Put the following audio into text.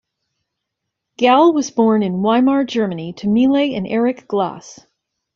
Gal was born in Weimar, Germany to Mile and Erich Glas.